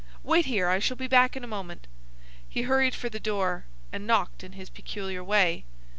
Wait here. I shall be back in a moment." He hurried for the door, and knocked in his peculiar way.